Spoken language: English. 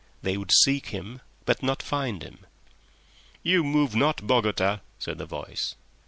They would seek him, but not find him. "You move not, Bogota," said the voice.